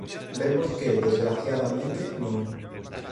Vemos que, desgraciadamente, non.